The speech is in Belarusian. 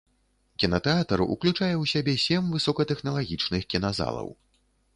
Кінатэатр уключае ў сябе сем высокатэхналагічных кіназалаў.